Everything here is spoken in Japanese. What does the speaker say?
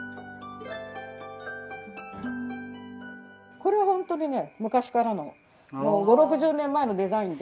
これは本当にね昔からの５０６０年前のデザインで。